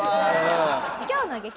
今日の激